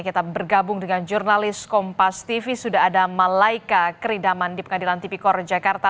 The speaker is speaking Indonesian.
kita bergabung dengan jurnalis kompas tv sudah ada malaika kridaman di pengadilan tipikor jakarta